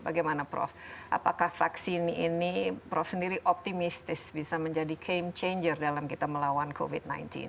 bagaimana prof apakah vaksin ini prof sendiri optimistis bisa menjadi came changer dalam kita melawan covid sembilan belas